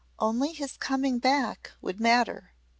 Only his coming back would matter.